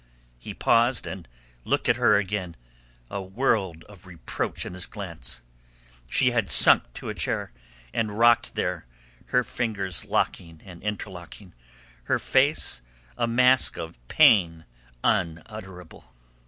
He paused, and looked at her again, a world of reproach in his glance. She had sunk to a chair, and rocked there, her fingers locking and interlocking, her face a mask of pain unutterable.